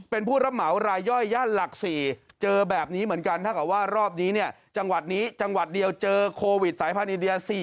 เป็นผู้รับเหมารายย่อยย่านหลัก๔เจอแบบนี้เหมือนกันถ้าเกิดว่ารอบนี้เนี่ยจังหวัดนี้จังหวัดเดียวเจอโควิดสายพันธ์อินเดีย๔๐